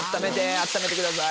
あっためてください。